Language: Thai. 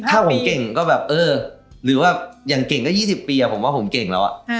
ถ้าผมเก่งก็แบบเออหรือว่าอย่างเก่งก็๒๐ปีผมว่าผมเก่งแล้ว